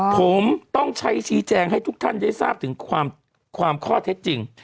ผมต้องใช้ชี้แจงให้ทุกท่านได้ทราบถึงความข้อเท็จจริง